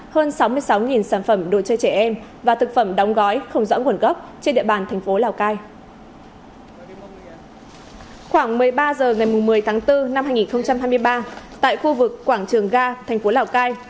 hơn sáu mươi sáu sản phẩm đồ chơi trẻ em và thực phẩm đóng gói không dõng quần gốc trên địa bàn tp lào cai